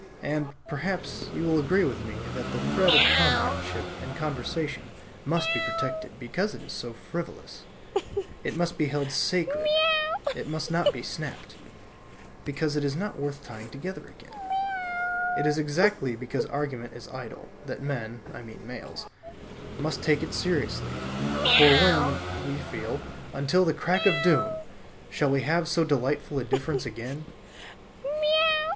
And, perhaps, you will agree with me that the thread of comradeship and conversation must be protected because it is so frivolous. It must be held sacred, it must not be snapped, because it is not worth tying together again. It is exactly because argument is idle that men (I mean males) must take it seriously; for when (we feel), until the crack of doom, shall we have so delightful a difference again?